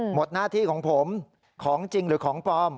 หน้าที่ของผมของจริงหรือของปลอม